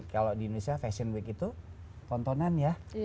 kalau di indonesia fashion week itu tontonan ya